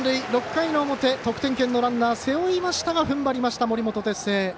６回の表、得点圏のランナー背負いましたがふんばりました、森本哲星。